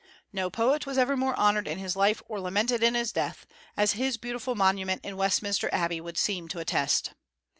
No poet was ever more honored in his life or lamented in his death, as his beautiful monument in Westminster Abbey would seem to attest.